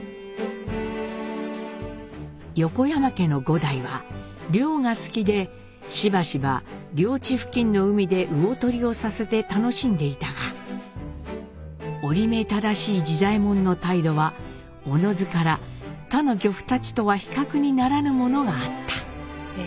「横山家の五代は漁が好きでしばしば領地付近の海で魚漁をさせて楽しんでゐたが折目正しい次左衛門の態度はおのづから他の漁夫たちとは比較にならぬものがあった。